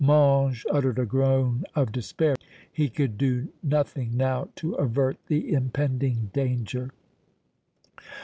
Mange uttered a groan of despair. He could do nothing now to avert the impending danger.